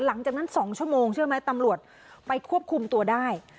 หลังจากนั้น๒ชั่วโมงเชื่อไหมตำรวจไปควบคุมตัวได้